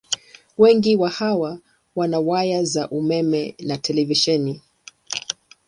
Wengi wa hawa wana waya za umeme na televisheni.